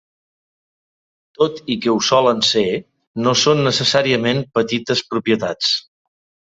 Tot i que ho solen ser, no són necessàriament petites propietats.